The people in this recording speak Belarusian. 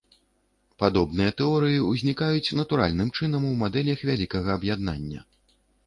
Падобныя тэорыі ўзнікаюць натуральным чынам у мадэлях вялікага аб'яднання.